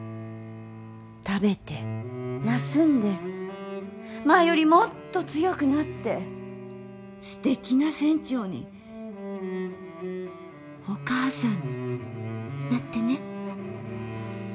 食べて休んで前よりもっと強くなってすてきな船長にお母さんになってね。